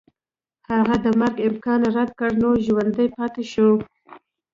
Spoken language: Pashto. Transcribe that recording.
هغه د مرګ امکان رد کړ نو ژوندی پاتې شو.